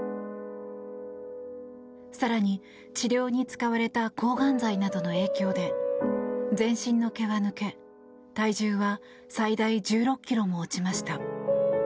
更に治療に使われた抗がん剤などの影響で全身の毛は抜け、体重は最大１６ｋｇも落ちました。